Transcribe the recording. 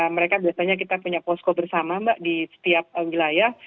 mereka biasanya kita punya posko bersama mbak di setiap wilayah